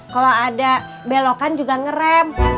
kalau ada belokan juga ngerem